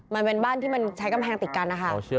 มันเป็นบ้านที่มันใช้กำแพงติดกันนะคะ